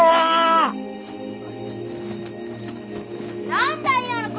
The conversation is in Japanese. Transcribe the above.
何だ今の声。